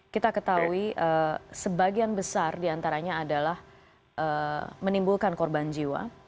kita ketahui sebagian besar diantaranya adalah menimbulkan korban jiwa